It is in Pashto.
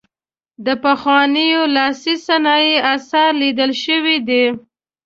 د پخوانیو لاسي صنایعو اثار لیدل شوي دي.